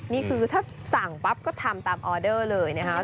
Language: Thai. นี่คือถ้าสั่งปั๊บก็ทำตามออเดอร์เลยนะครับ